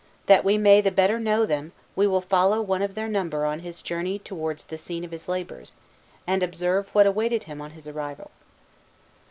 That we may the better know them, we will follow one of their number on his journey towards the scene of his labors, and observe what awaited him on his arrival.